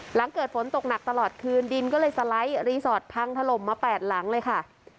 หลังเกิดฝนตกหนักตลอดคืนดินก็เลยสไลด์รีสอร์ทพังถล่มมา๘หลังเลยค่ะ